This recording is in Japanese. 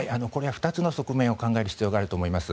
２つの側面を考える必要性があると思います。